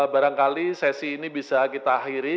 barangkali sesi ini bisa kita akhiri